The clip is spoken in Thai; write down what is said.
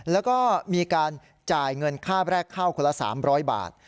แล้วก็มีการจ่ายเงินค่าแรกเข้าคนละ๓๐๐บาท